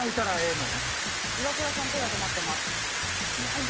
イワクラさん手が止まってます。